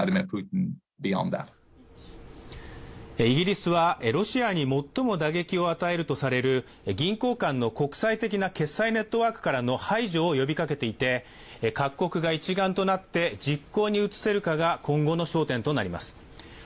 イギリスは、ロシアに最も打撃を与えるとされる銀行間の国際的決済ネットワークからの排除を呼びかけていて、各国が一丸となって実行に移せるかが今後の焦点となります。